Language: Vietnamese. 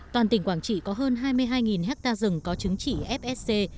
toàn tỉnh quảng trị có hơn hai mươi hai hectare rừng có chứng chỉ fsc